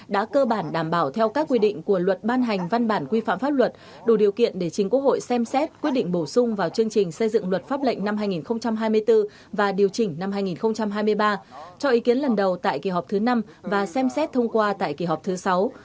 đã cơ bản đảm bảo theo các quy định của luật ban hành văn bản quy phạm pháp luật đủ điều kiện để chính quốc hội xem xét quyết định bổ sung vào chương trình xây dựng luật pháp lệnh năm hai nghìn hai mươi bốn và điều chỉnh năm hai nghìn hai mươi ba cho ý kiến lần đầu tại kỳ họp thứ năm và xem xét thông qua tại kỳ họp thứ sáu